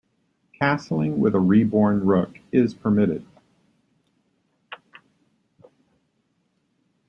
Castling with a reborn rook is permitted.